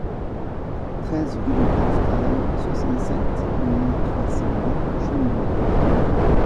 treize rue de Graufthal, soixante-sept mille trois cent vingt Schœnbourg